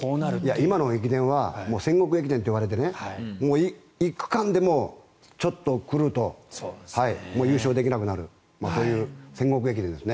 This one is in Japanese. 今の駅伝は戦国駅伝といわれて１区間でもちょっと狂うともう優勝できなくなるという戦国駅伝ですね。